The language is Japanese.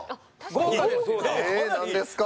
豪華ですよ。